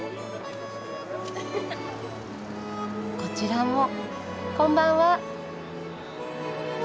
こちらもこんばんは。